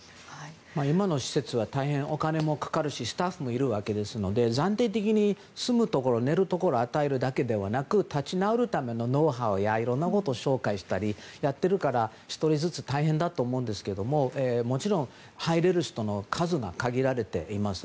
今の施設は大変お金もかかるしスタッフもいるわけですので暫定的に住むところ寝るところを与えるだけではなく立ち直るためのノウハウやいろんなことを紹介したりしているから１人ずつ、大変だと思うんですがもちろん、入れる人の数が限られています。